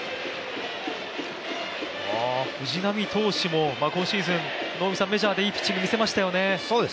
藤浪投手も、今シーズンメジャーでいいピッチング見せましたよね。